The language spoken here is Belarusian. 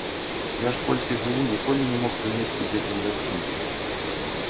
Я ж, колькі жыву, ніколі не мог прынесці дзецям гасцінца.